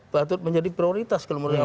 patut menjadi prioritas kalau menurut saya